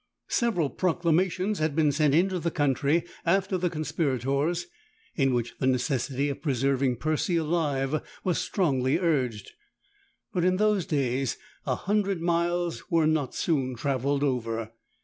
Several proclamations had been sent into the country after the conspirators, in which the necessity of preserving Percy alive was strongly urged. But in those days a hundred miles were not soon travelled over.